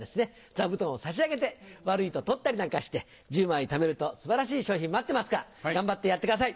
座布団を差し上げて悪いと取ったりなんかして１０枚ためると素晴らしい賞品待ってますから頑張ってやってください！